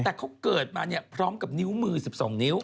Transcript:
แต่เขาเกิดมาพร้อมกับนิ้วมือ๑๒นิ้ว